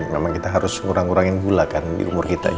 memang kita harus ngurang kurangin gula kan di umur kita